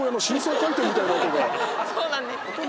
そうなんです。